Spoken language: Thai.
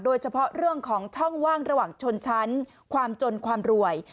โดยเฉพาะเรื่องของช่องว่างระหว่างชนชั้นความจนความรวย